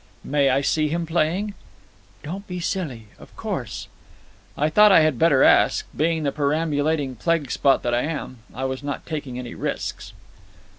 "May I see him playing?" "Don't be silly. Of course." "I thought I had better ask. Being the perambulating plague spot I am, I was not taking any risks."